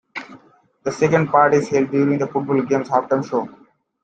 The second part is held during the football game's halftime show.